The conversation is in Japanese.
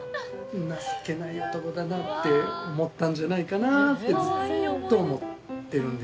「情けない男だな」って思ったんじゃないかなってずっと思ってるんですよ。